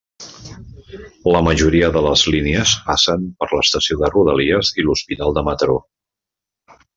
La majoria de les línies passen per l'estació de Rodalies i l'Hospital de Mataró.